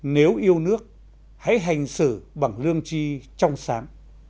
nếu yêu nước hãy hành xử bằng lương chi trong sáng